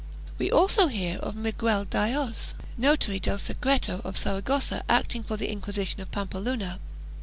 We also hear of Miguel Daoyz, notary del secreto of Saragossa acting for the Inquisition of Pampeluna.